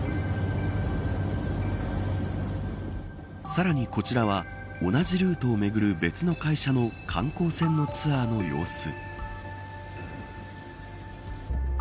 さらに、こちらは同じルートを巡る別の会社の観光船のツアーの様子。